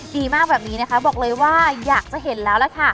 ดีมากแบบนี้นะคะบอกเลยว่าอยากจะเห็นแล้วล่ะค่ะ